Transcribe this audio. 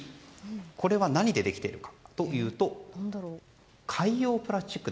これは何でできているかというと海洋プラスチック。